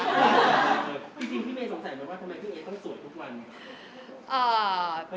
จริงพี่เมย์สงสัยไหมว่าทำไมพี่เอ๊ต้องสวยทุกวัน